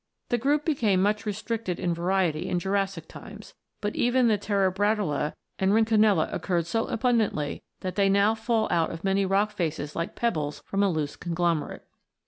The group became much restricted in variety in Jurassic times ; but even then Terebratula and Rhynchonella occurred so abundantly that they now fall out of many rock faces like pebbles from a loose conglomerate.